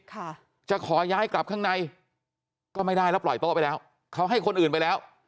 ค่ะจะขอย้ายกลับข้างในก็ไม่ได้แล้วปล่อยโต๊ะไปแล้วเขาให้คนอื่นไปแล้ว